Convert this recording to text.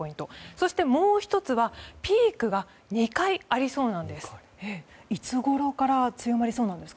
そして、もう１つはピークが２回ありそうなんです。